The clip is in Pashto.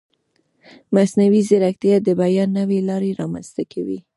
مصنوعي ځیرکتیا د بیان نوې لارې رامنځته کوي.